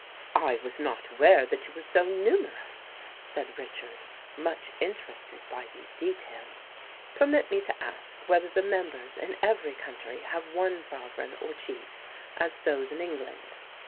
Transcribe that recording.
"I was not aware that you were so numerous," said Richard, much interested by these details. "Permit me to ask whether the members in every country have one sovereign or chief, as those in England?"